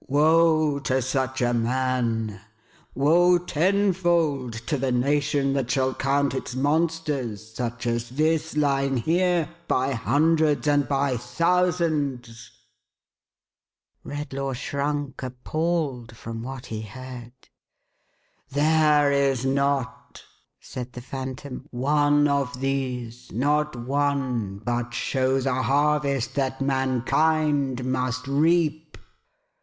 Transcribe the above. Woe to such a man ! Woe, tenfold, to the nation that shall count its monsters such as this, lying here, by hundreds, and by thousands !" Red law shrunk, appalled, from what he heard. " There is not," said the Phantom, " one of these — not one — but shows a harvest that mankind MUST HEAP.